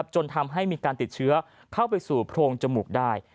จนทำให้มีการติดเชื้อเข้าไปสู่โพรงจมูกได้